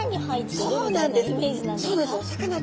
そうなんですよ。